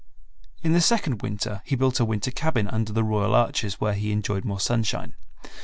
In the second winter he built a winter cabin under the Royal Arches, where he enjoyed more sunshine.